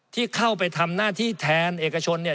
ที่เข้าไปทำหน้าที่แทนเอกชนเนี่ย